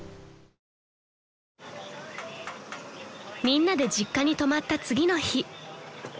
［みんなで実家に泊まった次の日］